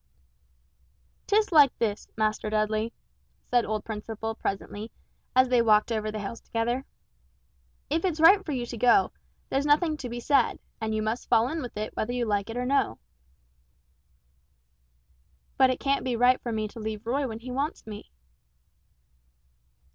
"'Tis like this, Master Dudley," said old Principle, presently, as they walked over the hills together; "if it's right for you to go, there's nothing to be said, and you must fall in with it whether you like it or no." "But it can't be right for me to leave Roy when he wants me."